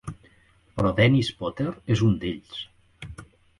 Però Dennis Potter és un d'ells.